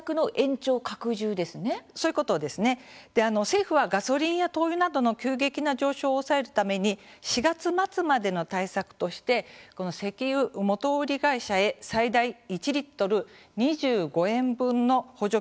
政府は、ガソリンや灯油などの急激な上昇を抑えるために４月末までの対策として石油元売り会社へ最大、１リットル２５円分の補助金を出していたんですね。